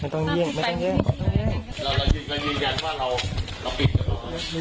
ไม่ต้องเยี่ยงไม่ต้องเยี่ยงเราเรายืนยันว่าเราเราปิดแล้ว